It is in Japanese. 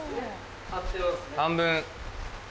半分。